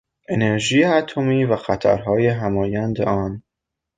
انرژی اتمی و خطرهای همایند آن